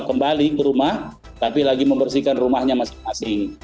kembali ke rumah tapi lagi membersihkan rumahnya masing masing